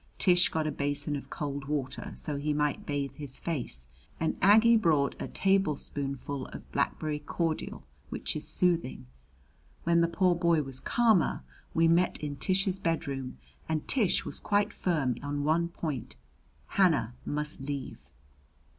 Tish got a basin of cold water so he might bathe his face; and Aggie brought a tablespoonful of blackberry cordial, which is soothing. When the poor boy was calmer we met in Tish's bedroom and Tish was quite firm on one point Hannah must leave!